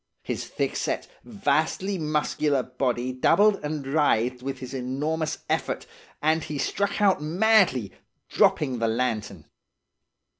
His thickset, vastly muscular body doubled and writhed with his enormous effort, and he struck out madly dropping the lantern.